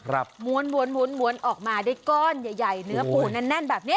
หมวนออกมาได้ก้อนใหญ่เนื้อปูแน่นแบบนี้